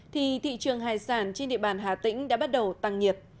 thì thị trường hải sản trên địa bàn hà tĩnh đã bắt đầu tăng nhiệt